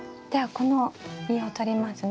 この実をとりますね。